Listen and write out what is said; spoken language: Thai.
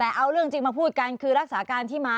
แต่เอาเรื่องจริงมาพูดกันคือรักษาการที่มา